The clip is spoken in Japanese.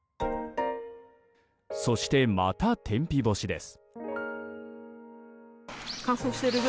そして、また天日干しです。